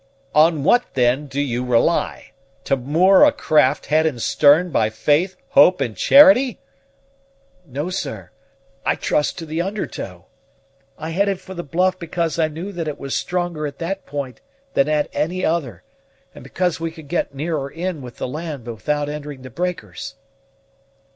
"On what, then, do you rely? To moor a craft, head and stern, by faith, hope, and charity?" "No, sir, I trust to the under tow. I headed for the bluff because I knew that it was stronger at that point than at any other, and because we could get nearer in with the land without entering the breakers."